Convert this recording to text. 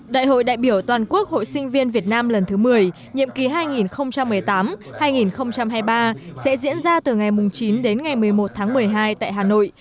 đại hội đại biểu toàn quốc hội sinh viên việt nam lần thứ một mươi nhiệm kỳ hai nghìn một mươi tám hai nghìn hai mươi ba sẽ diễn ra từ ngày chín đến ngày một mươi một tháng một mươi hai tại hà nội